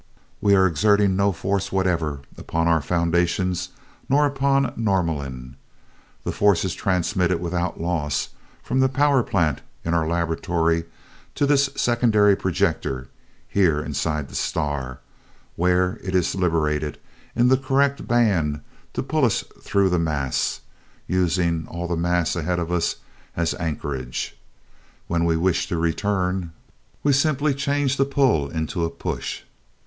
"We are exerting no force whatever upon our foundations nor upon Norlamin. The force is transmitted without loss from the power plant in our laboratory to this secondary projector here inside the star, where it is liberated in the correct band to pull us through the mass, using all the mass ahead of us as anchorage. When we wish to return, we shall simply change the pull into a push.